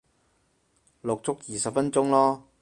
錄足二十分鐘咯